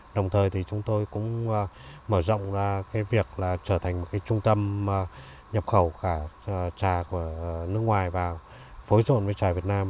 đồng thời thì chúng tôi cũng mở rộng việc trở thành một trung tâm nhập khẩu cả chà nước ngoài và phối rộn với chà việt nam